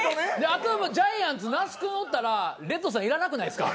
あとはジャイアンツ那須君おったらレッドさんいらなくないですか？